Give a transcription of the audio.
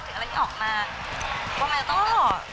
ถึงอะไรที่ออกมาก็ไม่ต้องการ